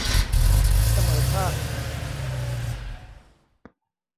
เสมอภาค